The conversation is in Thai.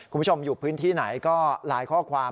คุณผู้ชมอยู่พื้นที่ไหนก็ไลน์ข้อความ